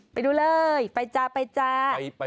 ไปดูเลยไปจ๊า